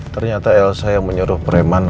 ternyata elsa yang menyuruh preman